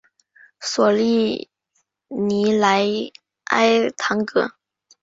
索利尼莱埃唐格。